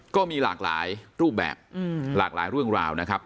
ก็มีหลากหลายรูปแบบหลากหลายเรื่องราวนะครับ